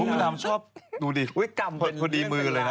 คนอื่นท์ชอบดูดิผลดีมือเลยนะ